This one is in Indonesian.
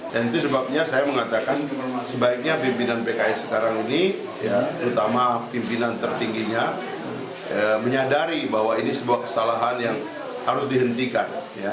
dan itu sebabnya saya mengatakan sebaiknya pimpinan pks sekarang ini terutama pimpinan tertingginya menyadari bahwa ini sebuah kesalahan yang harus dihentikan